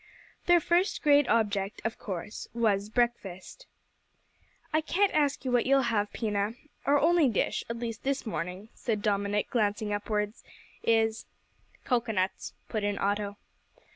Their first great object, of course, was breakfast. "I can't ask you what you'll have, Pina. Our only dish, at least this morning," said Dominick, glancing upwards, "is " "Cocoa nuts," put in Otto.